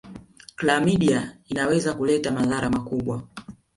klamidia inaweza kuleta madhara makubwa